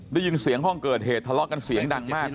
ได้ยินเสียงห้องเกิดเหตุทะเลาะกันเสียงดังมาก